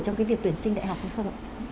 trong cái việc tuyển sinh đại học không ạ